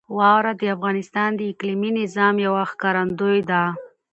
واوره د افغانستان د اقلیمي نظام یوه ښکارندوی ده.